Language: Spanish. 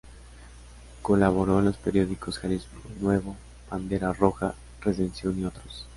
Colaboró en los periódicos "Jalisco Nuevo", "Bandera Roja", "Redención" y otros.